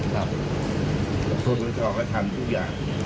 ขอต่อชอบก็ทำทุกอย่าง